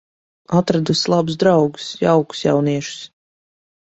Atradusi labus draugus, jaukus jauniešus.